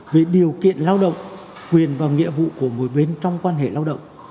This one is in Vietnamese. về điều kiện lao động quyền và nghĩa vụ của mỗi bên trong quan hệ lao động